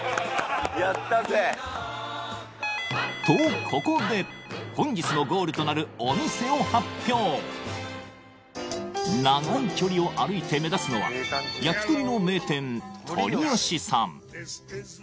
やったぜとここで本日のゴールとなるお店を発表長い距離を歩いて目指すのは焼き鳥の名店鶏よしさん